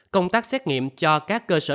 công tác xét nghiệm cho các cơ sở